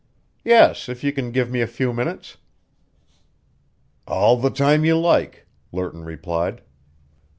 "Yes, if you can give me a few minutes." "All the time you like," Lerton replied.